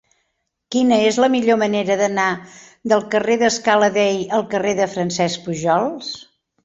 Quina és la millor manera d'anar del carrer de Scala Dei al carrer de Francesc Pujols?